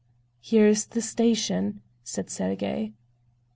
"Here is the station," said Sergey.